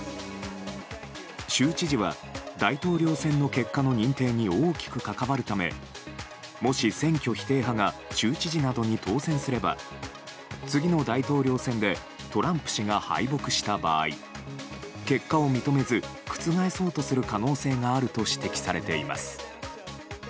州知事は大統領選結果の認定に大きく関わるためもし選挙否定派が州知事などに当選すれば次の大統領選でトランプ氏が敗北した場合結果を認めず覆そうとする可能性があると指摘されています。